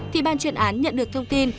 thì ban chuyện án nhận được thông tin